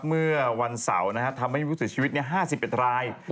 เมื่อวันเสาร์ทำให้ผู้เสียชีวิต๕๑ราย